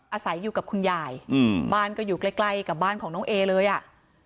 แม่แยกอยู่กับคุณยายบ้านก็อยู่ใกล้กับบ้านของน้องเอเลยอะ